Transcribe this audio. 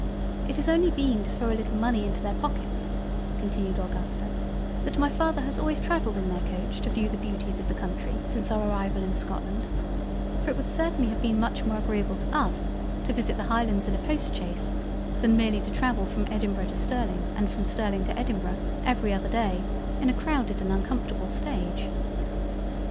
"It has only been to throw a little money into their Pockets (continued Augusta) that my Father has always travelled in their Coach to veiw the beauties of the Country since our arrival in Scotland—for it would certainly have been much more agreable to us, to visit the Highlands in a Postchaise than merely to travel from Edinburgh to Sterling and from Sterling to Edinburgh every other Day in a crowded and uncomfortable Stage."